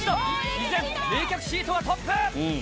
依然、冷却シートがトップ。